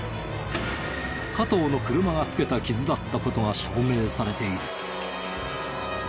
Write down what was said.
加藤の車がつけた傷だった事が証明されている。